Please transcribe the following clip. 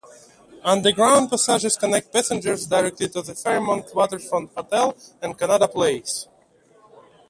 Underground passages connect passengers directly to the Fairmont Waterfront Hotel and Canada Place.